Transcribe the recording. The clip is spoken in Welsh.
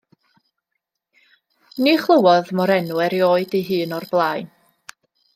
Ni chlywodd mo'r enw erioed ei hun o'r blaen.